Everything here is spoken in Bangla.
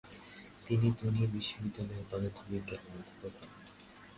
তিনি তুরিন বিশ্ববিদ্যালয়ে পদার্থবিজ্ঞানের অধ্যাপক হন।